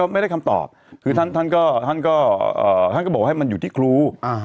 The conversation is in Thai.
ไม่ได้คำตอบคือท่านก็บอกให้มันอยู่ที่ครู